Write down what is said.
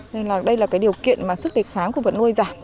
nên là đây là cái điều kiện mà sức đề kháng của vật nuôi giảm